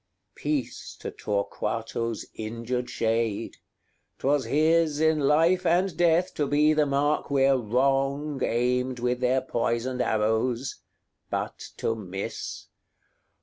XXXIX. Peace to Torquato's injured shade! 'twas his In life and death to be the mark where Wrong Aimed with their poisoned arrows but to miss.